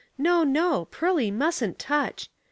No, no, Pearly musn't touch.